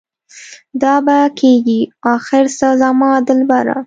دا به کيږي اخر څه زما دلبره؟